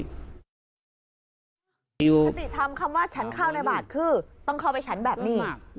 คติธรรมคำว่าฉันเข้าในบาทคือต้องเข้าไปฉันแบบนี้